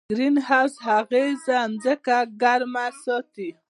د ګرین هاوس اغېز ځمکه ګرمه ساتي.